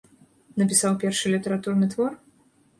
Напісаў першы літаратурны твор?